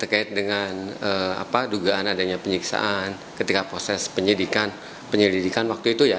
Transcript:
terkait dengan dugaan adanya penyiksaan ketika proses penyelidikan waktu itu ya